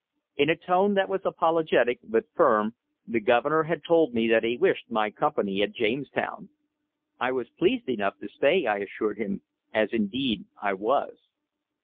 In a tone that was apologetic, but firm, the Governor had told me that he wished my company at Jamestown. I was pleased enough to stay, I assured him, as indeed I was.